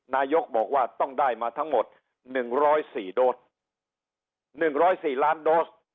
นายกบอกว่าต้องได้มาทั้งหมดหนึ่งร้อยสี่โดสหนึ่งร้อยสี่ล้านโดส